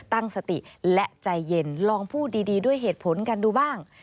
ตั้งสติและใจเย็นลองพูดดีด้วยเหตุผลกันดูบ้าง